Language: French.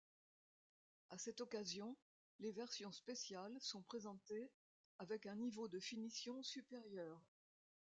À cette occasion, les versions Special sont présentées, avec un niveau de finition supérieur.